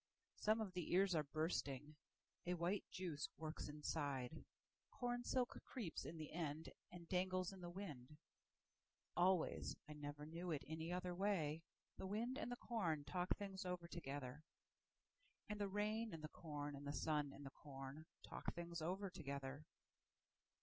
Some of the ears are bursting.A white juice works inside. Cornsilk creeps in the end and dangles in the wind. Always—I never knew it any other way—The wind and the corn talk things over together. And the rain and the corn and the sun and the cornTalk things over together.